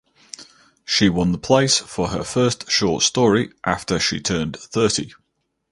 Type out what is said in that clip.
She won the place for her first short story after she turned thirty.